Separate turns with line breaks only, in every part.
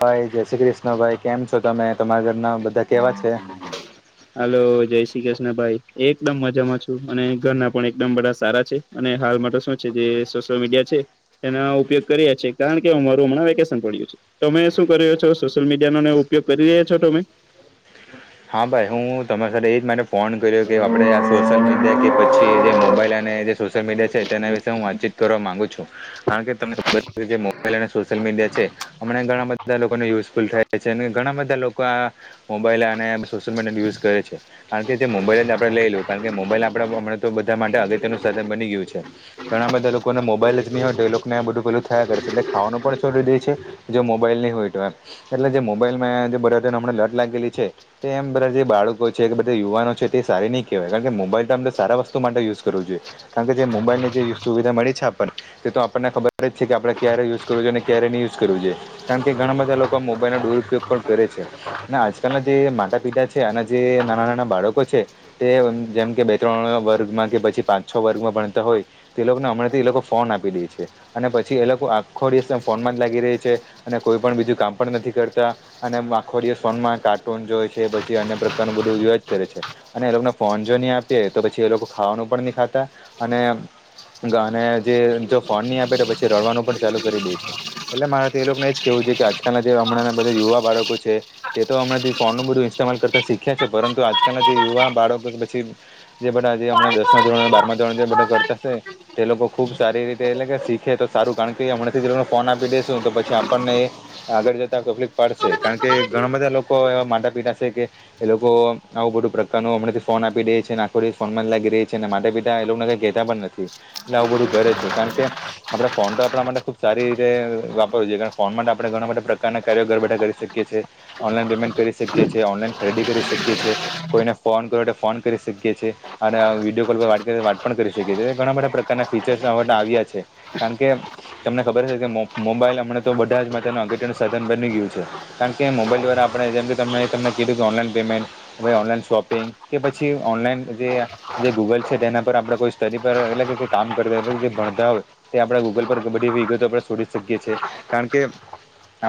ભાઈ જય શ્રી કૃષ્ણ ભાઈ કેમ છો તમે તમારા ઘરના બધા કેવા છે
હલોો જય શ્રી કૃષ્ણ ભાઈ એકદમ મજામાં છું અને ઘરના પણ એકદમ બધા સારા છે અને હાલ માટે શું છે જે સોશિયલ મીડિયા છે એના ઉપયોગ કરીએ છીએ કારણ કે હું મારું હમણાં વેકેશન પડ્યું છું તમે શું કર્યો છો સોશિયલ મીડિયા નો ઉપયોગ કરી રહ્યા છો તમે
હા ભાઈ હું તમારી સાથે એજ માટે ફોન કર્યો કે આપડે આ સોશિયલ મીડિયા કે પછી જે મોબાઈલ અને સોશિયલ મીડિયા છેના વિશે હું વાચીત કરવા માંગુું કારણ કે ત જે મોબાઈલ અને સોશિયલ મીડિયા છે હમણાં ઘણા બધા લોકોને યુઝફુલ થાય છે અને ઘણા બધા લોકો મોબાઈલ અને સોશિયલ મીડિયા યુઝ કરે છે કારણ કે જે મોબાઈલ આપડણે લઈ લ કારણ કે મોબાઈલ આપડ હમણા તો બધા માટે અગત્યનું સાધન બની ગયું છે ઘણા બધા લોકોને મોબાઈલ જ ન હો તો એ લોકોને આ બધું પેલું થયા કરે છે એટલે ખાવાનું પણ છોડી દે છે જો મોબાઈલ નહી હોય તો એમ એટલે જે મોબાઈલમાં જે બર હતો ને હમને લર્ટ લાગેલી છે તે એમ બધા જે બાળકો છે કે બધા યુવાનો છે તે સારી નહીં કહેવાય કારણ કે મોબાઈલ તો અમ તો સારા વસ્તુ માટે યુઝ કરવું જોઈએ કારણ કે જે મુંબાઈલની જે સુવિધા મળી છે આપણને તે તો આપણને ખબર જ છે કે આપણે ક્યારેયુઝ કરું જોઈએ અને ક્યારે નહી યુઝ કરવ જોઈએ કારણ કે ઘણા બધા લોકો મોબાઈલ ન દુરુપયોગ પણ કરે છે અને આજકાલના જે માતા પિતા છે અનેના જે નાના નાના બાળકો છે તે જેમ કે બે ત્રણ વર્ગમાં કે પછી પાંચ છ વર્ગમાં ભણતા હોય તે લોકોને હમણાંથી એ લોકો ફોન આપી દે છે અને પછી એ લોકો આખો દિવસ ફોનમાં જ લાગી રહી છે અને કોઈ પણ બીજું કામ પણ નથી કરતા અને આખો દિવસ ફોનમાં કાર્ટૂન જોએ છે પછી અન્ય પ્રકારનું બધું જોયાજ કરે છે. અને એ લોકોને ફોન જો નહી આપે તો પછી એ લોકો ખાવાનું પણ નહી ખાતા અને ગાને જે જો ફોન નહી આપે તો પછી રડવાનું પણ ચાલુ કરી દે છે. એટલે મારે તો એ લોકો ને એજ કેવું છે કે આજકાલના જે હમણાં બધા યુવા બાળકો છે તે તો હમણાથી ફોનનું બધું ઇસ્માલ કરતા શીખ્યા છે પરંતુ આજકાલના જે યુવા બાળકો પછી જે બધાજ હમણા દસમાં ધોરણ બાર ધોરણ એ બધા કરતાશે તે લોકો ખુબ સારી રીતે એટલે કે શીખે તો સારું કારણ કે હમણાં લોકોને ફોન આપી દેસું તો પછી આપણને એ આગળ જતા પબ્લિક પાડશે કારણ કે ઘણા બધા લોકો એવા માટા પીઠા છે કે એ લોકો આવું બધું પ્રકારનું હમણાંથી ફોન આપી દે છે અને આખોથી ફોન જ લાગી રહી છે અને માતા પિતા એ લોકોને કઈ કે ત્યાં પણ નથી એટલે આવું બધું ઘરે છે કારણ કે આપડે ફોન તો આપડા માટે ખુબ સારી રીતે એ વાપરવું જોઈએ કારણ ફોન માટે આપડે ઘણા બધા પ્રકારના કાર્યો ઘર બેઠા કરી શક ચે છે. ઓનલાઈન પેમેન્ટ કરી શકીએ છીએ ઓનલાઈન ખરીદી કરી શકીએ છીએ. કોઈને ફોન કરો તો ફોન કરી શકીએ છીએ. અને આ વિડીયો કોલ પર વા વાત પણ કરી શકીએ છીએ ઘણા બધા પ્રકારના ફીચર્ આવ્યા છે. કારણ કે તમને ખબર હ છે કે મો-મોબાઈલ હમણા તો બધા જ માટે તેનું અગતિયુ નું સાધન બની ગયું છે. કારણ કે મોબાઈલ દ્વારા આપડે જેમ કે ત તમને કીધું ઓનલાઈન પેમેન્ટ હવે ઓનલાઈન શોપિંગ કે પછી ઓનલાઈન જે આ જે ગૂગલ છે તેના પર આપડે કોઈ સ્ટડી પર એટલે કામ કરતા હોય જે ભણતા હોય તે આપડા ગૂગલ પર ક બી એવી વિગતો આપણે છોડી શકીએ છીએ કારણ કે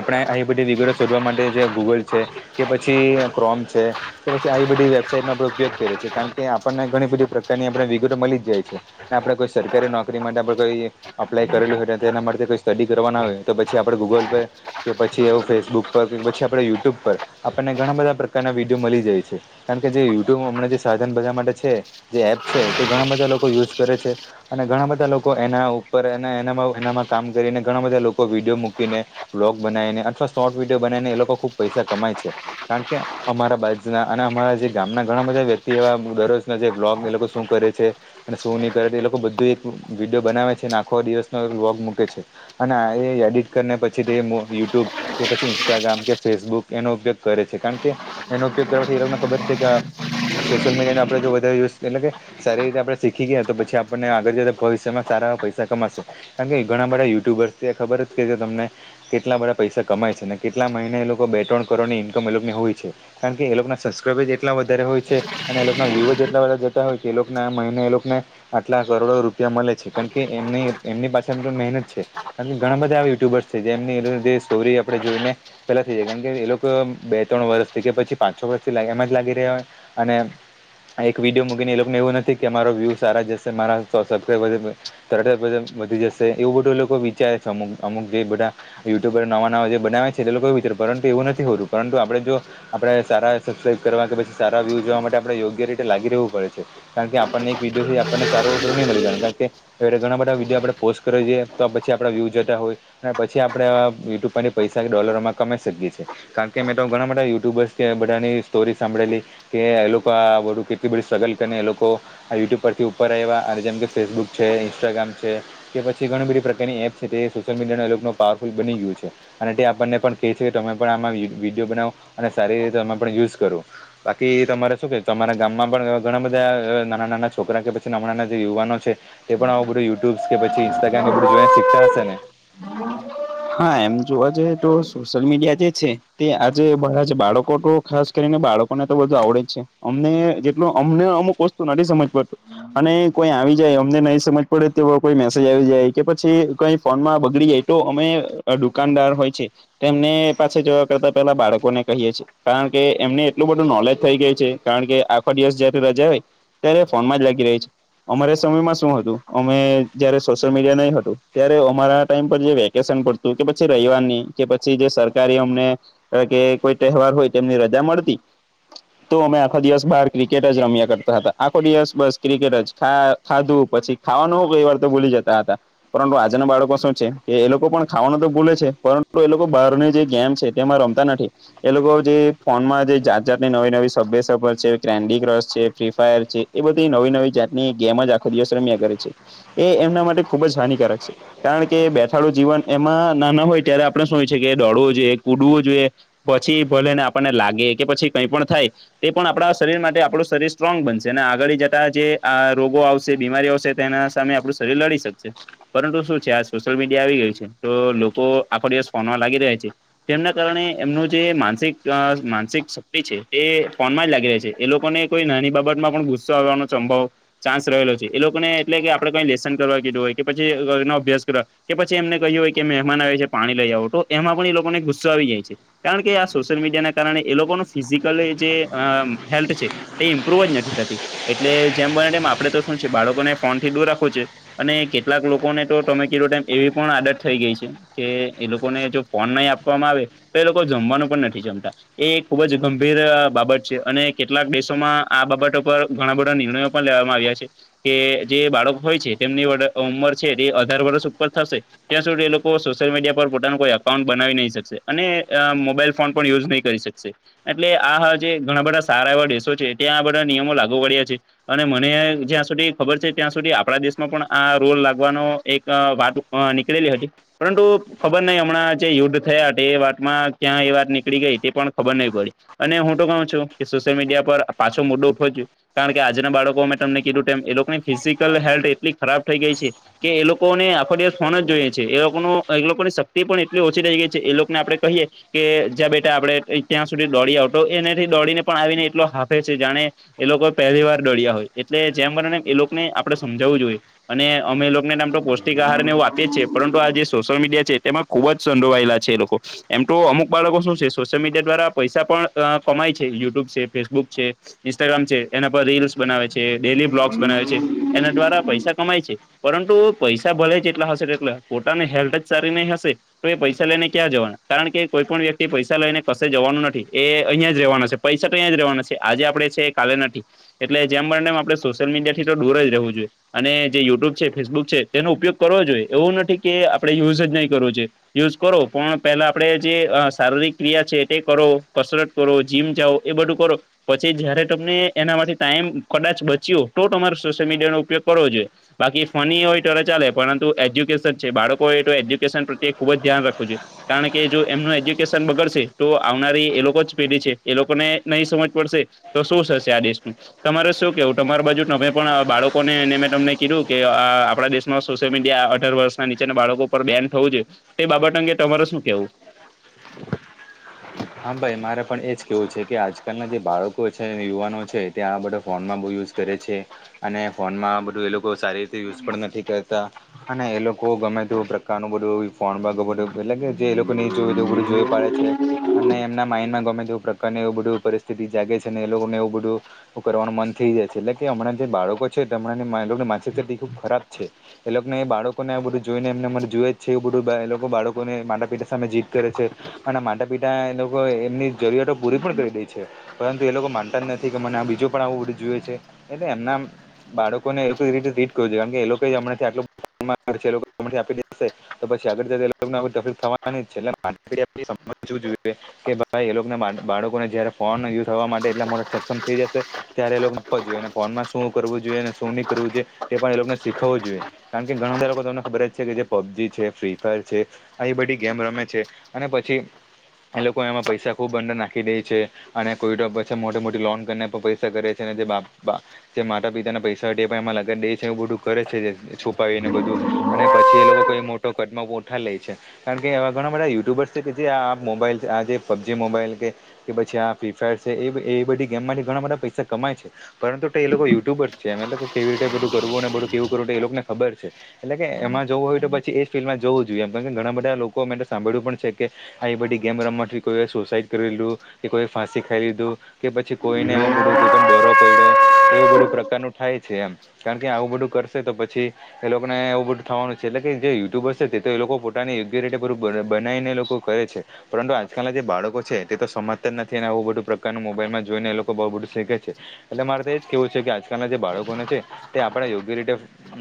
આપડે એ બધી વિગતો શોધવા માટે જે ગૂગલ છે કે પછી ક્રોમ છે કે પછી આવી બધી વેબસાઇટ નો આપડે ઉપયોગ કરીએ છીએ કારણ કે આપણને ઘણી બધી પ્રકારની આપને વિગતો મલીજ જાય છે. ને આપડે કોઈ સરકારી નોકરી માટે આપડે કોઈ અપ્લાય કરેલું હોય તેના માટે કોઈ સ્ટડી કરવાના હોય તો પછી આપડે ગૂગલ પે કે પછી એવું ફેસબુક પર કે પછી આપડે યુટ્યુબ પર આપણને ઘણા બધા પ્રકારના વિડીયો મલી જાય છે કારણ કે જે યુટ્યુબ હમણાં જે સાધન બધા માટે છે. જે એપ છે તે ઘણા બધા લોકો યુઝ કરે છે. અને ઘણા બધા લોકો એના ઉપર અને એના એનામાં કામ કરીને ઘણા બધા લોકો વિડીયો મૂકીને બ્લોગ બનાવી ને અથવા શોર્ટ વિડીયો બનાવીને એ લોકો ખુબ પૈસા કમાય છે. કારણ કે અમારા બાજના અને અમારા જે ગામના ઘણા બધા વ્યક્તિઓ આમ દરરોજ અહ જે બ્લોગ એ લોકો શું કરે છે અને શું નહીં કરે એ લોકો બધું એક વિડીયો બનાવે છે અને આખો દિવસનો એક વ્લોગ મૂકે છે. અને આ એ એડિટ કરને પછી તે યુટ્યુબ કે પછી ઇન્સ્ટાગ્રામ કે ફેસબુક એનો ઉપયોગ કરે છે કારણ કે એનો ઉપયોગ કરવાથી એ લોકોગને ખબર છે કે આ સોશિયલ મીડિયા ને આપે જો વધારે યુઝ એટલે કે સારી રીતે આપડે શીખી ગયા તો પછી આપણને આગળ જ ભવિષ્યમાં સારા પૈસા કમાશે. કારણ કે ઘણા બધા યુટ્યુબર્સ છે ખબર જ કે છે તમને કેટલા બધા પૈસા કમાય છે ને કેટલા મહિને એ લોકો બે ત્રણ કરોડની ઇન્કમ એ લોકોની હોય છે. કારણ કે એ લોકો ના સબસ્ક્રાઈબ જ એટલા વધારે હોય છે અને એ લોકોના વ્યુ જ એટલા બધા જતા હોય કે એ લોકોને આ મહિને એ લોકોને આટલા કરોડો રૂપિયા મલે છે કારણ કે એમને એમની પાસે એમની મહેનત છે. કારણ કે ઘણા બધા એ યુટ્યુબર્સ છે જેમની જે સ્ટોરી આપે જોઈને પેલા થઈ જાય કારણ કે એ લોકો બે ત્રણ વર્ષથી કે પછી પાંચ છો વર્ષથી લા એમ જ લાગી રહ્યા હોય અને આ એક વિડીયો મૂકીને એ લોકોને એવું નથી કે અરો વ્યૂ સારા જશે મારા સબસ્ક્રાઈબ તરત જ બધા વધી જશે એવું બધું લોકો વિચારે છે અમુક અમુક જે બધા યુટ્યુબર નવા નવા જે બનાવે છે એ તે લોકો વિચાર્યું પરંતુ એવું નથી હોતું પરંતુ આપડે જો આપડે સારા સબસ્ક્રાઈબ કરવા કે પછી સારા વ્યુ જોવા માટે આપડે યોગ્ય રીતે લાગી રહેવું પડે છે. કારણ કે આપણને એક વિડીયોથી આપણને સારો ઉપરો નહી મળી જવાનું કારણ કે એવી રીતે ઘણા બધા વિડીયો આપડ પોસ્ટ કરએ તો પછી આપડા વ્યુ જતા હોય. અને પછી આપડે આ યુટ્યુબ પરથી પૈસા ડોલરોમાં કમાઈ શકીએ છીએ. કારણ કે મેં તો ઘણા બધા યુ્યબર્સ છે બધાની સ્ટોરી સાંભળેલી. કે એ લોકો આ બધું કેટલી બધી સ્ટ્રગલ કરીને એ લોકો આ યુટ્યુબ પરથી ઉપર રહેવા અને જેમ કે ફેસબુક છે ઇન્સ્ટાગ્રામ છે. કે પછી ઘણી બધી પ્રકારની એપ્ છે તે સોશિયલ મીડિયાને અલગનું પાવરફુલ બની ગયું છે. અને તે આપણને પણ કહે છે કે તમે પણ આમાં વિ વિડીયો બનાવો અને સારી રીતે એમાં પણ યુઝ કરો. બાકી તમારે શું કે તમારા ગામમાં પણ ઘણા બધા અ નાના નાના છોકરા કે પછી નાના નાના જે યુવાનો છે. તે પણ આ બધું યુટ્યુબસ કે પછી ઇન્સ્ટાગ્રામ બધું જોયા શીખતા હશેને.
હા એમ જોવા જઈએ તો સોશિયલ મીડિયા જે છે તે આજે બાળકો તો ખાસ કરીને બાળકોને તો બધું આવડે જ છે અમને જેટલું અમને અમુક વસ્તુ નથી સમજ પડતું અને કોઈ આવી જાય અમને નહી સમજ પડે તે કોઈ મેસેજ આવી જાય કે પછી કઈ ફોનમાં બગડી જાય તો અમે દુકાનદાર હોય છે તેમને પાસે જવા કરતા પેલા બાળકોને કહીએ છીએ. કારણ કે એમને એટલું બધું નોલેજ થઈ ગયું છે કારણ કે આખો દિવસ જયારે રજા હોય અત્યારે ફોન માં જ લાગી રહી છે. અમારે સમયમાં શું હતું અમે જયારે સોશિયલ મીડિયા નહી હતું ત્યારે અમારા ટાઈમ પર જે વેકેશન પડતું કે પછી રવિવારની કે પછી જે સરકારી અમને કે કોઈ તહેવાર હોય તો એની રજા મળતી. તો અમે આખો દિવસ બાર ક્રિકેટ જ રમ્યા કરતા હતા આખો દિવસ બસ ક્રિકેટ જ ખા ખાધું પછી ખાવાનું વેવાર તો ભુલી જતા હતા પરંતુ આજના બાળકો શું છે કે એ લોકો પણ ખાવાનો તો ભૂલે છે પરંતુ એ લોકો બહારની જે ગેમ છે તેમાં રમતા નથી. એ લોકો જે ફોનમાં જે જાત જાત ની નવી નવી સભ્યસ છે કેન્ડી ક્રસ છે ફ્રી ફાયર છે. એ બધી નવી નવી જાતની ગેમ જ આખો દિવસ રમ્યા કરે છે એ એમના માટે ખુબ જ હાનિકારક છે. કારણ કે બેઠાડું જીવન એમાં નાના હોય ત્યારે આપણે શું હોય છે કે દોળવો જોઈએ કુડવું જોઈએ. પછી ભલે ને આપણને લાગે કે પછી કઈ પણ થાય તે પણ આપણા શરીર માટે આપણું શરીર સ્ટ્રોંગ બનશે અને આગળ જતા જે આ રોગો આવશે બીમારીઓ આવશે તેના સામે આપણું શરીર લડી શકશે પરંતુ શું છે આ સોશિયલ મીડિયા આવી ગયું છે. તો લોકો આખો દિવસ ફોન માં લાગી રહ્યા છે. તેમના કારણે એમનું જે માનસિક‌ અ માનસિક શક્તિ છે તે ફોનમાં જ લાગી રહે છે એ લોકોને કોઈ નાની બાબત માં પણ ગુસ્સો આવવાનો સંભવ ચાન્સ રહેલો છે એ લોકોને એટલે કે આપડે કઈ લેસન કરવા કીધું હોય કે પછી એનો અભ્યાસ કરવા કે પછી એમને કહ્યું હોય કે મહેમાન આવે છે પાણી લઈ આવો તો એમાં પણ એ લોકોને ગુસ્સો આવી જાય છે. કારણ કે આ સોશિયલ મીડિયાના કારણે એ લોકોનું ફિઝિકલ જે એ હેલ્થ છે. એ ઇમ્પ્રુવ જ નથી થતી એટલે જેમ બનેમ આપડે તો શું છે બાળકોને ફોન થી દૂર રાખવું છે. અને કેટલાક લોકોને તો ટમે કીધું ટાઈમ એવી પણ આદત થઈ ગઈ છે કે એ લોકોને જો ફોન નહી આપવામાં આવે તો એ લોકો જમવાનું પણ નથી જમતા એ ખુબ જ ગંભીર અ બાબત છે અને કેટલાક દેશોમાં આ બાબત ઉપર ઘણા બધા નિર્ણયો પણ લેવામાં આવ્યા છે. કે જે બાળકો હોય છે તેમની ઉમર છે તે અઢાર વર્ષ ઉપર થશે. ત્યાં સુધી એ લોકો સોશિયલ મીડિયા પર પોતાનું કોઈ એકઉન્ટ બનાવી નહીં શકશે અને અ મોબાઈલ ફોન પણ યુઝ નહીં કરી શકશે. એટલે આ જે ઘણા બધા સારા એવા દેશો છે ત્યાં આ બધા નિયમો લાગુ પડ્યા છે. અને મને જ્યાં સુધી ખબર છે ત્યાં સુધી આપણા દેશ માં પણ આ રોલ લાગવાનો એક વાત કેટલી હતી. પરંતુ ખબર ન‌ઇ હમણાં જે યુદ્ધ થયા તે વાંકમાં ક્યાં એ વાત નીકળી ગઈ તે પણ ખબર નહીં પડી. અને હું તો કહું છું કે સોશિયલ મીડિયા પર પાછો મુદ્દો ઉઠો ગું કારણ કે આજના બાળકો માં તમને કીધું તેમ એ લોકોની ફિઝિકલ હેલ્થ એટલી ખરાબ થઈ ગઈ છે કે એ લોકોને આખો દિવસ ફોન જ જોઈએ છે એ લોકો એ લોકોની શક્તિ પણ એટલી ઓછી રહી ગઈ છે એ લોકોને આપણે કહીએ કે જા બેટા આપણે ત્યાં સુધી દોડી આવતો એનાથી દોડીને પણ આવીને એટલો હાફે છે જાણે એ લોકો પહેલી વાર ડળ્યા હોય એટલે જેમ કરીને એ લોકોને આપડણે સમજાવવું જોઈએ અને અમે લોક નામ તો પૌષ્ટિક આહાર ને એવું આપીએ છી છે પરંતુ આ જે સોશિયલ મીડિયા છે તેમાં ખુબ જ સંડોવાયેલા છે લોકો એમ તો અમુક બાળકો શું છે સોશિયલ મીડિયા દ્વારા પૈસા પણ કમાય છે યુટ્યુબ છે ફેસબુક છે. ઇન્સ્ટાગ્રામ છે એના પર રીલ્સ બનાવે છે ડેલી બ્લોગ્સ બનાવે છે એના દ્વારા પૈસા કમાય છે. પરંતુ પૈસા ભલે જેટલા હશેટલા પોતાની હેલ્થ જ સારી નહી હશે તો એ પૈસા લઈને ક્યાં જવાના કારણ કે કોઈ પણ વ્યક્તિ પૈસા લઈને કશે જવાનું નથી એ અહિયાં જ રહેવાના છે પૈસઠ અહીંયા જ રહેવાના છે આજે આપડે છે કાલેનાથી એટલે જેમ મળનેમ આપણે સોશિયલ મીડિયા થી તો દૂર જ રહેવું જોઈએ અને જે યુટ્યુબ છે ફેસબુક છે તેનો ઉપયોગ કરવો જોઈએ એવું નથી કે આપડણે યુઝ જ નહીં કરવો જોઈએ યુઝ કરો પણ પેલા આપણે જે શારીરિક ક્રિયા છે તે કરો કસરત કરો જીમ જાઓ એ બધું કરો પછી જયારે તમને એના માટે ટાઈમ કદાચ બચ્યો તો તમારે સોશિયલ મીડિયાનોો ઉપયોગ કરવો જોઈએ બાકી ફની હોય તો ચાલે પરંતુ એજ છે બાળકો એ તો એ્યુકેશન પ્રત્યેુબ જ ધ્યાન રાખું છ છે કારણ કે જો એમનું એજ્યુકેશન બગડશે તો આવનારી એ લોકો જ પેઢી છે એ લોકોને નહીં સમજ પડશે તો શું થશે આ દેશનું તમારે શું કહેવું તમારી બાજુ તમે પણ બાળકોને મેં તમને કીધું કે આપણા દેશમાં સોશિયલ મીડિયા અર વર્ષ ના નીચેના બાળકો પર બે્યાન થવું જોઈએ તે બાબત અંગે તમારે શું કેવું
હા ભાઈ મારે પણ એજ કેવું છે કે આજકાલના જે બાળકો છે યુવાનો છે તે આ બધા ફોનમાં બુ યુઝ કરે છે અને ફોનમાં બધું એ લોકો સારી રીતે યુઝ પણ નથી કરતા અને એ લોકો ગમે ત પ્રકારનુંું બધું ફોન બધું એટલે કે જે એ લોકો નહી જોય તો એવું બધું જોઈ પાડે છે અનેમને એમના માઇન્ડમાં ગમે તે પ્રકાર એવું બધું પરિસ્થિતિ જાગે છે ને એ લોકોને એવું બધું કરવાનું મન થઈ જાય છે. એટલે કે હમણાં જે બાળકો છે તેમ મા માિક સ્ ખુબ ખરાબ છે એ લોકોને એ બાળકો ને આ બધું જોઈને એમને અરે જોયએ જ છે. એવું બધું એ લોકો બાળકોને માટ પિતા સામે જીત કરે છે અને માટપિતા એ લોકો એમની. જરૂિયાતો પૂરી પણ કરી દે પરંતુ એ લોકો માનતા જ નથી કે મને આ બીજું પણ આવુંડ જોઈએ છે. એટલે એમના બાળકો ને એ રીતે ટ્રીટ કરું છે. કારણ કે એ લોકોશે તો પછી આગળ જ એને તકલીફ થવા છે. કે ભાઈ એ લોકોને બાળકોને જયારે ફોન યુ થવા માટે એટલા મો સક્ષમ થઈ જશે. ત્યારે એ લોકો આપ જોઈએ ફોનમાં શું કરવું જોઈએ શું નહી કરવું જોઈએ તે પણ એ લોકોને શીખવું જોઈએ. કારણ કે ઘણા બધા લોકો તમને ખબર જ છે. કે જે પબજી છે ફ્રી ફાયર છે. આવી બધી ગેમ રમે છે. અને પછી એ લોકો એમાં પૈસા ખુબ અંડર નાખી દે છે. અને કોઈ પછી મોટી મોટી લોન કરીને પૈસા કરે છેને જે જે માતા પિતાના પૈસા અ એ પણ એમાં લગન એ છે બધું કરે છે છુપાવીને બધું અને પછી એ લોકો કોઈ મોટો કદમો ગઠા લે છે, કારણ કે એવા ઘણા બધા યુટ્યુબર્સ છે કે જે મોબાઈઇલ છે. આજે પબ્જી મોબાઈલ કે કે પછી આ ફ્રી ફાયર છે. એ એ બધી ગેમમાં ઘણા બધા પૈસા કમાય છે. પરંતુ તો એ લોકો યુટ્યુબરસ છે. એ કેવી રીતે બધું કરવું ને બધું કેવું કરવું એ લોકો ને ખબર છે. એટલે કે એમાં જોવું હોય તો પછી એજ ફિલ્ડમાં જોવું જોઈએ એમણ કે ઘણા બધા લોકો મે સાંભળવ્યું પણ છે કે આ એ બધી ગેમ રમવાથી કોઈએ સુસાઈડ કરી લીધું કે કોઈએ ફાંસી ખાઈ લીધું. કે પછી કોઈને એવું બધું કોઈ પણ ડરો પડ્યો એવું બધું પ્રકાર ન થાય છે એમ. કારણ કે આવું બધું કરશે તો પછી. એ લોકો ને એવું બધું થવાનું છે. એટ કે જે યુટ્યુબર છે. તે તો એ લોકો પો બનાવીને લોકો. કરે છે. પરંતુ આજકાલના જે બાળકો છે. તે તો સમાજતા જ નથી અને આવું બધુ પ્રકારનું મોબાઈલમાં જોઈને એ લોકો બહુ બધું શીખે છે. એટલે મારે તો એજ કેવું છે કે આજકાલના જે બાળકોને છે તે આપણે યોગ્ય રીતે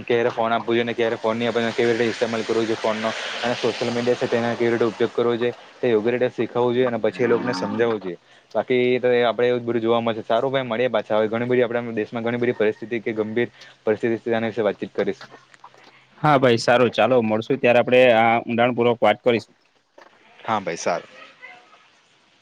ક્યારે ફોન આપવું જોઈએને ક્યારે ફો ની આપ કેવી રીતે ઇતેમાલ કરવું જોઈએોનનો અને સોશિયલ મીડિયા છે તેના કેવી રીતે ઉપયોગ કરો જો યોગ્ય રીતે શીખું જોઈએ પછ એ લોકોને સમજાવું જોઈએ બાકી તો આપણે એવું બધું જોવા મળશે સારું ભાઈ મળે પાછા હ ઘણી બધી આપણે દેશમાં ઘણી બધી પરિસ્થિતિ કે ગંભીર. પરિસ્થિતિ સની વિશે વાતચીત કરીશું.
હા ભાઈ સારું ચાલો મળશું ત્યારે આપડણે આ ઊંડાણપૂર્વક વાત કરીશ.
હા ભાઈ સાર